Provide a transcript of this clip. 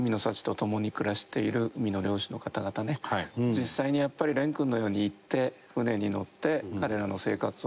実際にやっぱり蓮君のように行って船に乗って彼らの生活を見てね